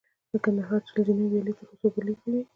د کندهار چل زینو ویالې تر اوسه اوبه لېږدوي